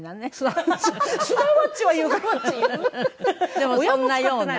でもそんなような。